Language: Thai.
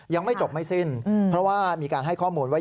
ยังไม่จบไม่สิ้นเพราะว่ามีการให้ข้อมูลไว้